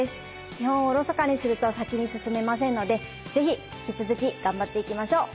基本をおろそかにすると先に進めませんので是非引き続き頑張っていきましょう。